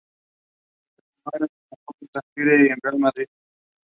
A simple majority is required.